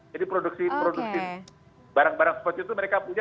jadi produksi barang barang seperti itu mereka punya